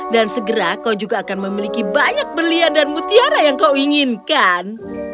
dan segera kau juga akan memiliki banyak berlian dan mutiara yang kau inginkan